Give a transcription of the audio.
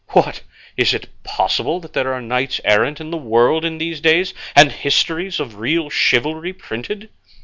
What! is it possible that there are knights errant in the world in these days, and histories of real chivalry printed?